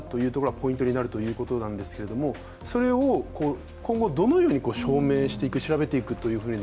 ポイントになるということなんですが、それを今後、どのように証明する、調べていくというふうに